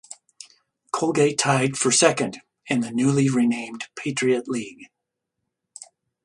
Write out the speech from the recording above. Colgate tied for second in the newly renamed Patriot League.